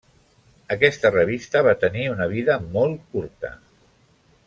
Aquesta revista va tenir una vida molt curta.